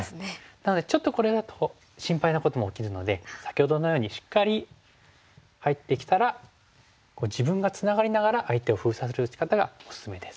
なのでちょっとこれだと心配なことも起きるので先ほどのようにしっかり入ってきたら自分がツナがりながら相手を封鎖する打ち方がおすすめです。